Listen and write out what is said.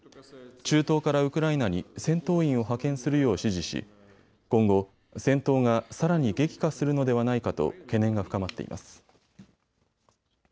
中東からウクライナに戦闘員を派遣するよう指示し今後、戦闘がさらに激化するのではないかと懸念が深まっています。